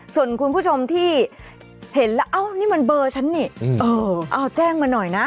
ส่วนคุณผู้ชมที่เห็นแล้วเอ้านี่มันเบอร์ฉันนี่เอาแจ้งมาหน่อยนะ